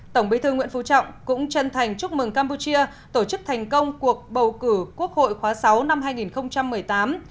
tổng bí thư nguyễn phú trọng cũng chân thành chúc mừng campuchia tổ chức thành công cuộc bầu cử quốc hội khóa sáu năm hai nghìn một mươi tám